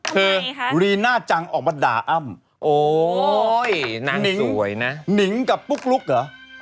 รีน่าจังออกมาด่าอ้ำโอ๊ยนางสวยนะหนิงกับปุ๊กลุ๊กเหรอ